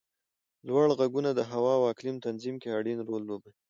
لوړ غرونه د هوا او اقلیم تنظیم کې اړین رول لوبوي